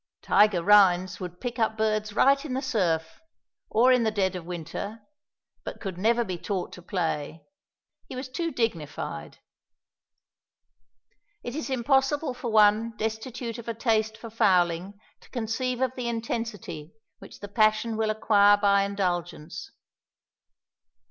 Tige Rhines would pick up birds right in the surf, or in the dead of winter, but could never be taught to play; he was too dignified. It is impossible for one destitute of a taste for fowling to conceive of the intensity which the passion will acquire by indulgence.